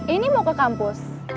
ini mau ke kampus